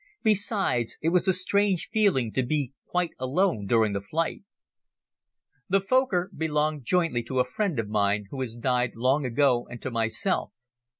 Besides, it was a strange feeling to be quite alone during the flight. The Fokker belonged jointly to a friend of mine who has died long ago and to myself.